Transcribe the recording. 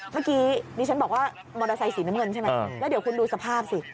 เมื่อกี้ดิฉันบอกว่ามอเตอร์ไซสีน้ำเงินใช่ไหมแล้วเดี๋ยวคุณดูสภาพสิ